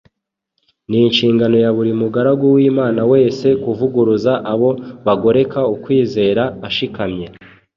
Ni inshingano ya buri mugaragu w’Imana wese kuvuguruza abo bagoreka ukwizera ashikamye